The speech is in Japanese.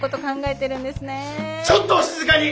ちょっとお静かに！